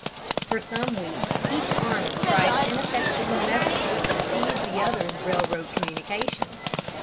For some weeks each army tried ineffectual methods to seize the other's railroad communications.